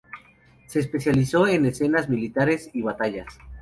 Se especializó en escenas militares y batallas.